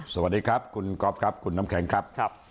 สวัสดีครับคุณก๊อฟครับคุณน้ำแข็งครับ